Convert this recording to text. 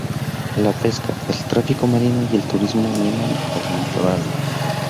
La pesca, el tráfico marino y el turismo animan el litoral.